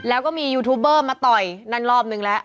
แล้วก็มียูทูบเบอร์มาต่อยนั่นรอบนึงแล้ว